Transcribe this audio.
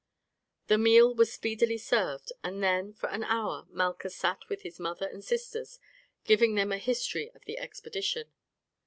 The meal was speedily served, and then for an hour Malchus sat with his mother and sisters, giving them a history of the expedition.